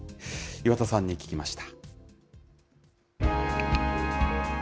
岩田さんに聞きました。